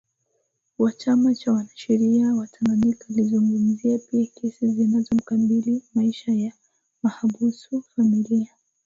wa Chama cha Wanasheria wa Tanganyika alizungumzia pia kesi zinazomkabili maisha ya mahabusu familia